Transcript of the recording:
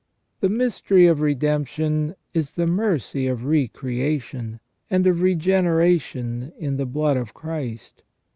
The mystery of redemption is the mercy of re creation, and of regeneration in the blood of Christ.